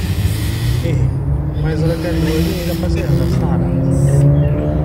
Ihi ma yeẓra kan lwali, ilaq-as ad yehder s taɛrabt?